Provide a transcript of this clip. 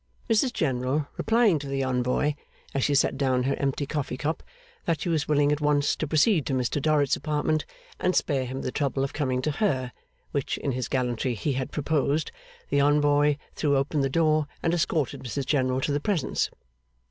Mrs General, replying to the envoy, as she set down her empty coffee cup, that she was willing at once to proceed to Mr Dorrit's apartment, and spare him the trouble of coming to her (which, in his gallantry, he had proposed), the envoy threw open the door, and escorted Mrs General to the presence.